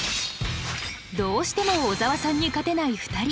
どうしても小沢さんに勝てない２人。